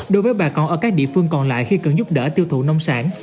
đối với bà con ở các địa phương còn lại khi cần giúp đỡ tiêu thụ nông sản